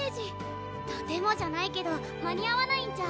とてもじゃないけど間に合わないんじゃ。